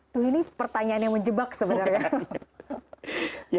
tuh ini pertanyaan yang menjebak sebenarnya